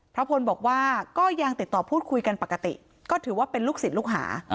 พระพลบอกว่าก็ยังติดต่อพูดคุยกันปกติก็ถือว่าเป็นลูกศิษย์ลูกหา